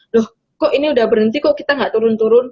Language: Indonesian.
loh kok ini udah berhenti kok kita gak turun turun